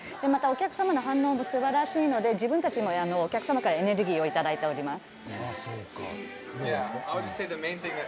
お客様の反応は素晴らしいので自分たちもお客様からエネルギーをいただいております。